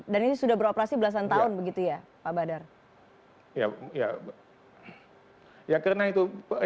dan ini sudah beroperasi belasan tahun begitu ya pak badar